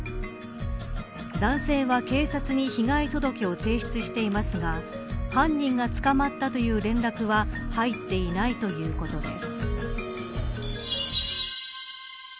男性は、警察に被害届を提出していますが犯人が捕まったという連絡は入っていないということです。